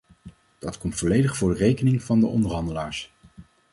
Dat komt volledig voor rekening van de onderhandelaars.